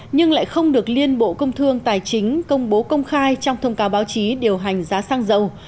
nhưng lại không được liên bộ công thương tài chính công bố công khai trong thông cáo báo chí điều hành giá xăng dầu